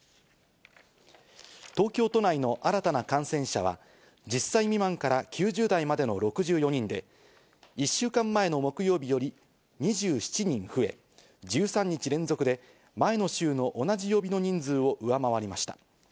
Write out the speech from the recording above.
東京都内の新たな感染者は、１０歳未満から９０代までの６４人で、１週間前の木曜日より２７人増え、１３日連続で前の週の同じ曜日の人数を上回りました。